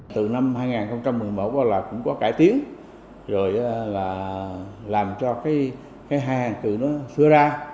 từ năm hai nghìn một mươi một là cũng có cải tiến rồi là làm cho cái hàng từ nó xưa ra